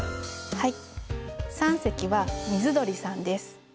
はい。